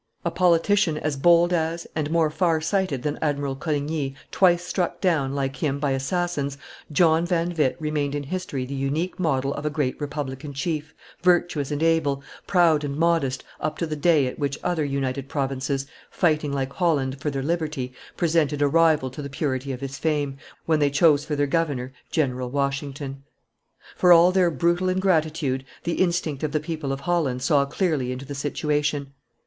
A politician as, bold as and more far sighted than Admiral Coligny, twice struck down, like him, by assassins, John van Witt remained in history the unique model of a great republican chief, virtuous and able, proud and modest, up to the day at which other United Provinces, fighting like Holland for their liberty, presented a rival to the purity of his fame, when they chose for their governor General Washington. For all their brutal ingratitude, the instinct of the people of Holland saw clearly into the situation.